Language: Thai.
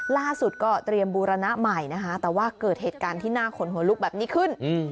ล่าสุดก็เตรียมบูรณะใหม่นะคะแต่ว่าเกิดเหตุการณ์ที่น่าขนหัวลุกแบบนี้ขึ้น